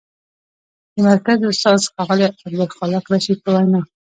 د مرکز استاد، ښاغلي عبدالخالق رشید په وینا: